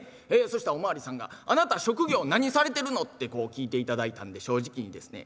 そしたらお巡りさんが「あなた職業何されてるの？」ってこう聞いていただいたんで正直にですね